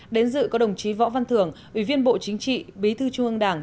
đến dự có đồng chí võ văn thưởng ủy viên bộ chính trị bí thư trung ương đảng